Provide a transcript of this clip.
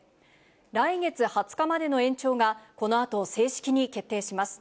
来月２０日までの延長がこのあと、正式に決定します。